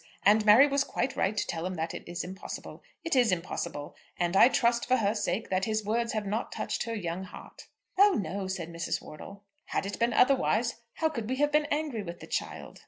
And Mary was quite right to tell him that it is impossible. It is impossible. And I trust, for her sake, that his words have not touched her young heart." "Oh, no," said Mrs. Wortle. "Had it been otherwise how could we have been angry with the child?"